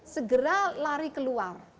segera lari keluar